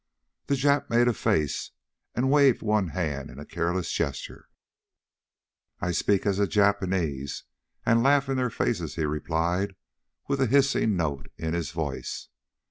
The Jap made a face and waved one hand in a careless gesture. "I speak as a Japanese, and laugh in their faces!" he replied with a hissing note in his voice.